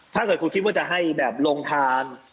ถ้าเกิดคุณคิดว่าจะให้แบบลงทาน